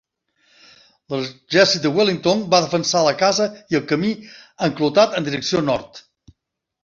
L'exèrcit de Wellington va defensar la casa i el camí enclotat en direcció nord.